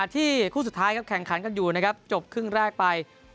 ที่คู่สุดท้ายครับแข่งขันกันอยู่นะครับจบครึ่งแรกไป